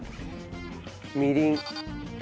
みりん。